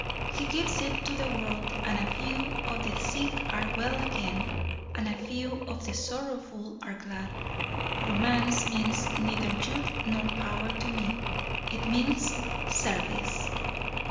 He gives it to the world and a few of the sick are well again, and a few of the sorrowful are glad. Romance means neither youth nor power to me. It means service."